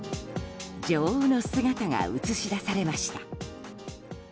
女王の姿が映し出されました。